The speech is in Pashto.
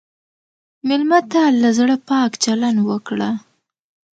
مېلمه ته له زړه پاک چلند وکړه.